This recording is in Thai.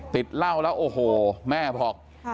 ติดเหล้าแล้วโอ้โหแม่บอก